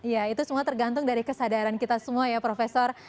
ya itu semua tergantung dari kesadaran kita semua ya profesor